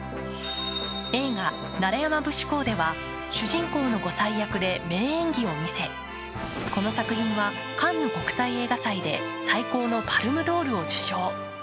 映画「楢山節考」では主人公の後妻役で名演技を見せこの作品は、カンヌ国際映画祭で最高のパルム・ドールを受賞。